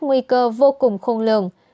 nguy cơ vô cùng khôn lường